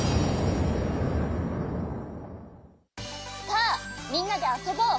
さあみんなであそぼう！